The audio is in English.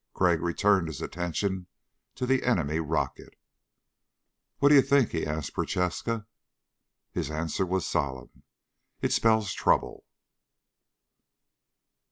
Crag returned his attention to the enemy rocket. "What do you think?" he asked Prochaska. His answer was solemn. "It spells trouble."